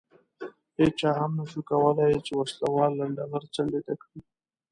هېچا هم نه شوای کولای چې وسله وال لنډه غر څنډې ته کړي.